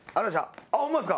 ホンマですか？